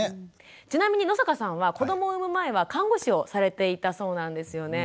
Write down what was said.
ちなみに野坂さんは子どもを産む前は看護師をされていたそうなんですよね。